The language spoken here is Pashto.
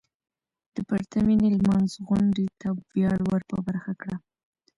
د پرتمينې لمانځغونډې ته وياړ ور په برخه کړه .